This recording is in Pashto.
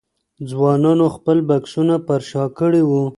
ځوانانو خپل بکسونه پر شا کړي وو.